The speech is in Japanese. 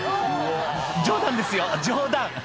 「冗談ですよ冗談」